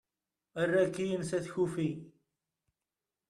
err akin s at kufi